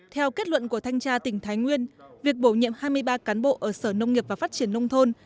theo kết luận của thanh tra tỉnh thái nguyên việc bổ nhiệm hai mươi ba cán bộ ở sở nông nghiệp và phát triển nông thôn